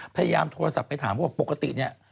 พยายามโทรศัพท์ไปถามเขาบอกปกติเนี่ย